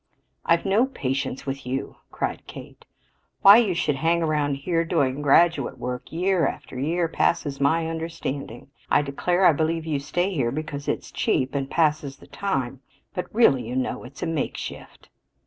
"I've no patience with you," cried Kate. "Why you should hang around here doing graduate work year after year passes my understanding. I declare I believe you stay here because it's cheap and passes the time; but really, you know, it's a makeshift."